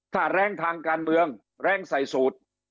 ถ้าแรงทางการเมืองแรงใส่สูตร